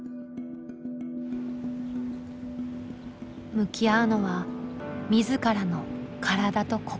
向き合うのは自らの体と心。